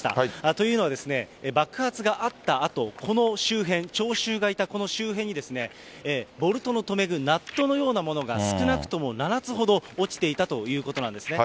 というのはですね、爆発があったあと、この周辺、聴衆がいたこの周辺にですね、ボルトの留め具、ナットのようなものが、少なくとも７つほど落ちていたということなんですね。